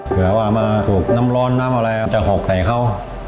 เกิดว่ามาถูกน้ำร้อนจะหอกใส่เขา